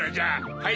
はい！